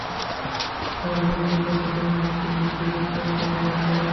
যার ঘরে ফ্রিজ আছে, তিনি আরেকটি ডিপ ফ্রিজের চাহিদা অনুভব করেন।